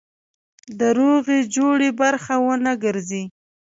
د روغې جوړې برخه ونه ګرځي.